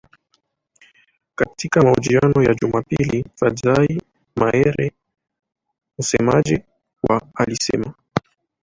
Katika mahojiano ya Jumapili Fadzayi Mahere msemaji wa alisema